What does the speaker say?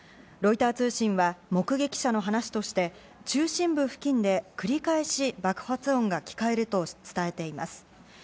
ロイター通信は目撃者の話として、中心部付近で繰り返し爆発音が聞こえると伝えています。